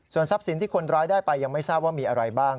ส่วนทรัพย์สินที่คนร้ายได้ไปยังไม่ทราบว่ามีอะไรบ้าง